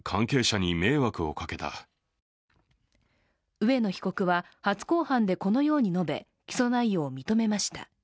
植野被告は初公判でこのように述べ、起訴内容を認めました。